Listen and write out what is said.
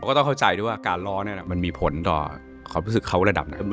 ก็ต้องเข้าใจด้วยว่าการล้อนั้นมันมีผลต่อความรู้สึกเขาระดับไหน